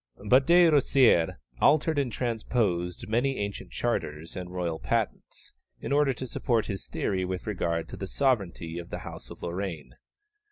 But De Rosières altered and transposed many ancient charters and royal patents, in order to support his theory with regard to the sovereignty of the House of Lorraine.